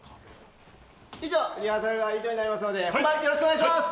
以上リハーサルは以上になりますので本番よろしくお願いします！